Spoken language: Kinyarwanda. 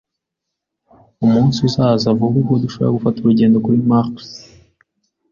Umunsi uzaza vuba ubwo dushobora gufata urugendo kuri Mars